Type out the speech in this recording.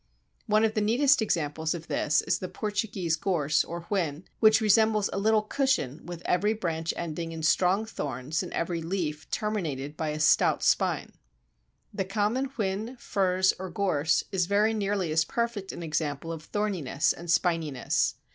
One of the neatest examples of this is the Portuguese Gorse or Whin, which resembles a little cushion with every branch ending in strong thorns and every leaf terminated by a stout spine. The common Whin, Furze, or Gorse, is very nearly as perfect an example of thorniness and spininess.